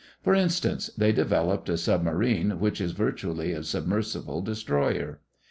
For instance, they developed a submarine which is virtually a submersible destroyer.